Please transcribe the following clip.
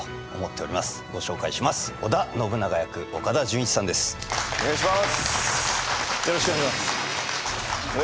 お願いします。